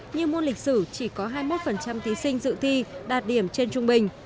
như môn lịch sử chỉ có hai mươi một thí sinh dự thi đạt điểm trên trung bình